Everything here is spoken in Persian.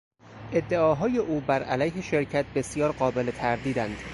ادعاهای او بر علیه شرکت بسیار قابل تردیداند.